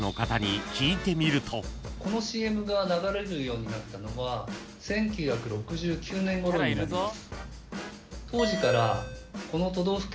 このＣＭが流れるようになったのは１９６９年ごろになります。